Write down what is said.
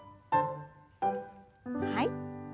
はい。